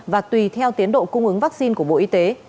và tùy theo tiến độ cung ứng vaccine của bộ y tế